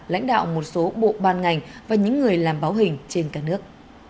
lãnh đạo một số bộ ban ngành và những người làm báo hình trên cả nước